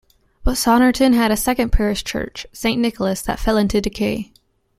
But Saunderton had a second parish church, Saint Nicholas, that fell into decay.